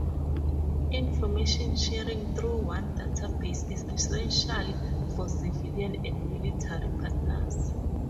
Information sharing through one database is essential for civilian and military partners.